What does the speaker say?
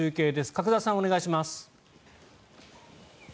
角澤さんお願いします。